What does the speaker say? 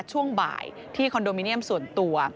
ช่วงบ่ายที่คอนโดมิเนียมส่วนตัว